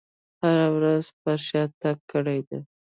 هره ورځ یې پر شا تګ کړی دی.